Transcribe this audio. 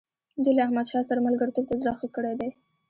دوی له احمدشاه سره ملګرتوب ته زړه ښه کړی دی.